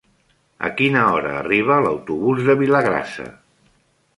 A quina hora arriba l'autobús de Vilagrassa?